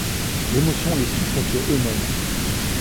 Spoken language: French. L’émotion les suffoquait eux-mêmes